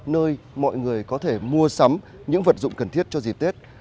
nơi mọi người có thể mua sắm những vật dụng cần thiết cho dịp tết